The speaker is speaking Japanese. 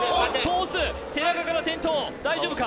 背中から転倒大丈夫か？